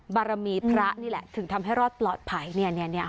บารมีพระนี่แหละถึงทำให้รอดปลอดภัยเนี้ยเนี้ยเนี้ย